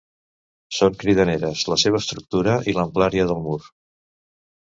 Són cridaneres la seva estructura i l'amplària del mur.